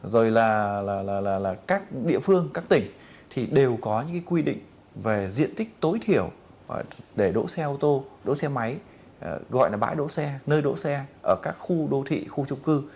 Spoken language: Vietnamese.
rồi là các địa phương các tỉnh thì đều có những quy định về diện tích tối thiểu để đỗ xe ô tô đỗ xe máy gọi là bãi đỗ xe nơi đỗ xe ở các khu đô thị khu trung cư